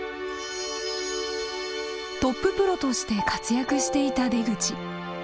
トッププロとして活躍していた出口。